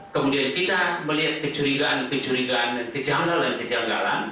kemudian kita melihat kecurigaan kecurigaan kejanggalan kejanggalan